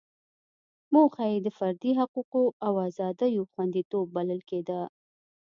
موخه یې د فردي حقوقو او ازادیو خوندیتوب بلل کېده.